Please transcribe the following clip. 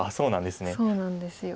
そうなんですね。